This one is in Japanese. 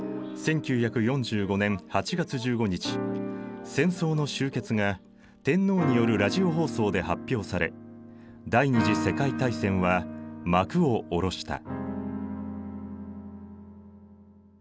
１９４５年８月１５日戦争の終結が天皇によるラジオ放送で発表され第二次世界大戦は幕を下ろした。